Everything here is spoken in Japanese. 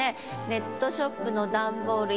「ネットショップの段ボール」